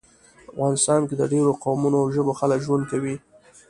افغانستان کې د ډیرو قومونو او ژبو خلک ژوند کوي